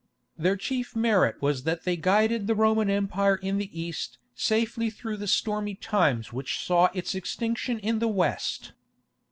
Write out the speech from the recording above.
Their chief merit was that they guided the Roman Empire in the East safely through the stormy times which saw its extinction in the West.